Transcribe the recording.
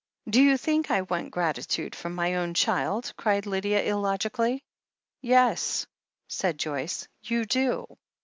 "Do you think I want gratitude from my own child?" cried Lydia illogically. "Yes," said Joyce, "you do.